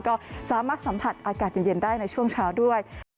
ก็สามารถสัมผัสอากาศเย็นได้ในช่วงเช้าด้วย